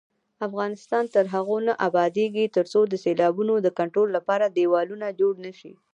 افغانستان تر هغو نه ابادیږي، ترڅو د سیلابونو د کنټرول لپاره دېوالونه جوړ نشي.